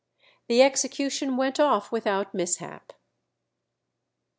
The execution went off without mishap.